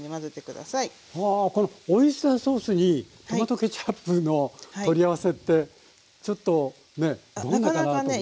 あこのオイスターソースにトマトケチャップの取り合わせってちょっとね